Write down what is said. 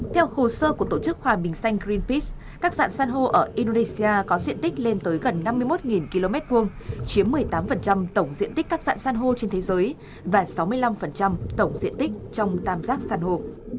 theo hồ sơ của tổ chức hòa bình xanh greenpeace các dạng san hô ở indonesia có diện tích lên tới gần năm mươi một km hai chiếm một mươi tám tổng diện tích các dạng san hô trên thế giới và sáu mươi năm tổng diện tích trong tam giác san hô